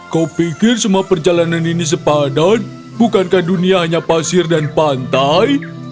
kau pikir semua perjalanan ini sepadan bukankah dunia hanya pasir dan pantai